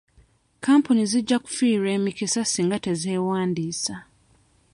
Kapuni zijja kufiirwa emikisa singa tezeewandisa.